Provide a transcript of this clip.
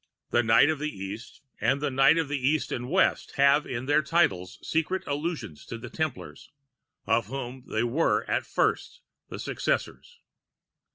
The Knight of the East, and the Knight of the East and West, have in their titles secret allusions to the Templars of whom they were at first the successors.